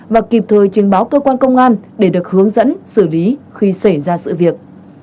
và kịp thời trình báo cơ quan công an để được hướng dẫn xử lý khi xảy ra sự việc